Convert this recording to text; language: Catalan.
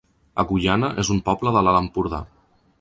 Agullana es un poble de l'Alt Empordà